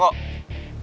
gue juga tau